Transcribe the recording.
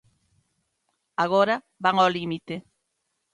Agora van ao límite.